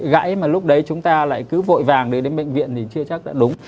gãy mà lúc đấy chúng ta lại cứ vội vàng đến đến bệnh viện thì chưa chắc là đúng